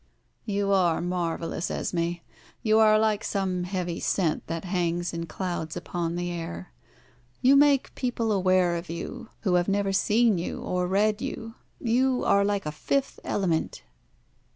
"You are marvellous, Esmé. You are like some heavy scent that hangs in clouds upon the air. You make people aware of you, who have never seen you, or read you. You are like a fifth element."